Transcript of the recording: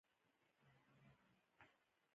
احمد له علي سره شونډک سيخ کړ.